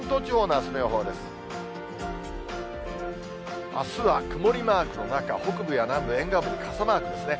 あすは曇りマークの中、北部や南部、沿岸部に傘マークですね。